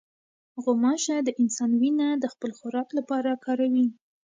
غوماشه د انسان وینه د خپل خوراک لپاره کاروي.